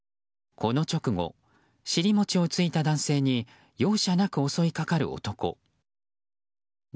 この直後、尻餅をついた男性に容赦なく襲いかかる男。